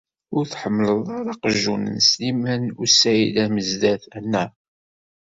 Ur tḥemmleḍ ara aqjun n Sliman u Saɛid Amezdat, anaɣ?